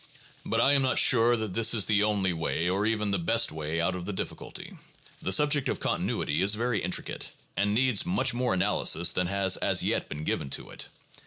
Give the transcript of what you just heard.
But I am not 158 THE PHILOSOPHICAL REVIEW. [Vol. XXI. sure that this is the only way or even the best way out of the difficulty. The subject of continuity is very intricate, and needs much more analysis than has as yet been given to it.